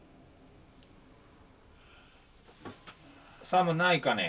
寒ないかね。